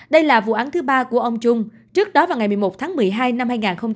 đây là vụ án thứ ba của ông trung trước đó vào ngày một mươi một tháng một mươi hai năm hai nghìn một mươi ba